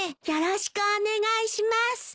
よろしくお願いします。